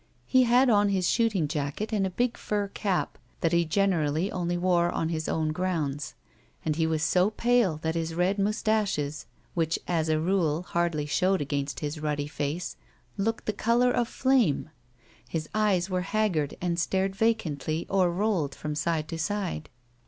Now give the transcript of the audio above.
He had on his shooting jacket and a big fur cap, that he generally only wore in his own grounds, and he was so pale that his red moustaches (which, as a rule, hardly showed against his ruddy face) looked the colour of flame. His eyes were haggard and stared vacantly or rolled from side to side.